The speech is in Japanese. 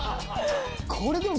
これでも。